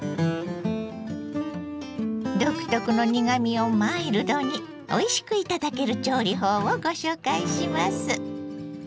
独特の苦みをマイルドにおいしく頂ける調理法をご紹介します。